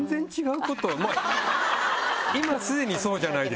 今すでにそうじゃないですか。